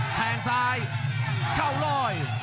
แทงซ้ายเข้าลอย